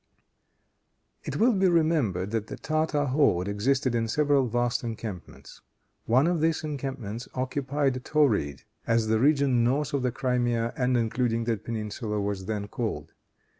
It will be remembered that the Tartar horde existed in several vast encampments. One of these encampments occupied Tauride, as the region north of the Crimea, and including that peninsula, was then called.